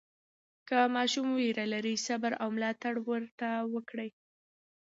که ماشوم ویره لري، صبر او ملاتړ ورته وکړئ.